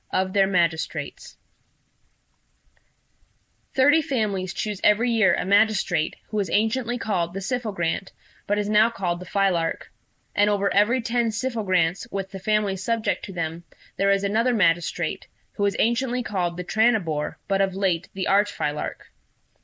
OF THEIR MAGISTRATES "Thirty families choose every year a magistrate, who was anciently called the Syphogrant, but is now called the Philarch; and over every ten Syphogrants, with the families subject to them, there is another magistrate, who was anciently called the Tranibore, but of late the Archphilarch.